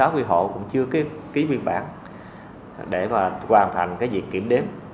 sáu mươi người hộ cũng chưa ký nguyên bản để hoàn thành việc kiểm đếm